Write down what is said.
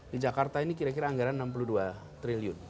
di jakarta ini kira kira anggaran enam puluh dua triliun